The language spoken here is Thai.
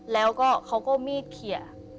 แล้วก็เขาก็มีดเขีย